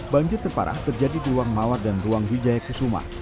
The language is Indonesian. banjir terparah terjadi di ruang mawar dan ruang hijai ke sumar